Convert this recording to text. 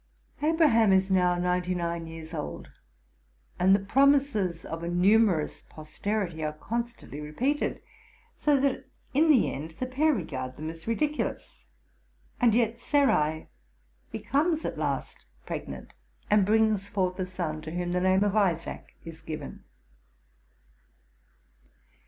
Abraham is now ninety nine years old, and the promises of a numerous posterity are constantly repeated: so that, in the end, the pair regard them as ridiculous. And yet Sarai becomes at last pregnant, and brings fortii a son, to whom the name of Isaac is given.